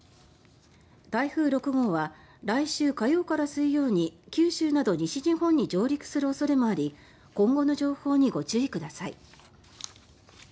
台風６号は来週火曜から水曜に九州など西日本に上陸する恐れもあり今後の情報にご注意ください。